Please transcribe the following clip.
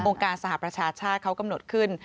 การสหประชาชาติเขากำหนดขึ้น